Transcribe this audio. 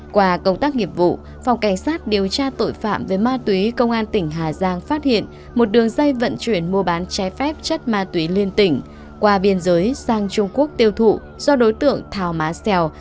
qua công tác nghiệp vụ phòng cảnh sát điều tra tội phạm về ma túy công an tỉnh hà giang phát hiện một đường dây vận chuyển mua bán trái phép chất ma túy liên tỉnh qua biên giới sang trung quốc tiêu thụ do đối tượng thảo má xèo